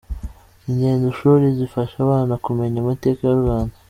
Ingendoshuri zifasha abana kumenya amateka y’u Rwanda